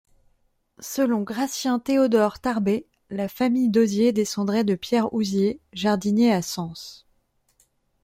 Selon Gratien-Théodore Tarbé, la famille d'Hozier descendrait de Pierre Houzier, jardinier à Sens.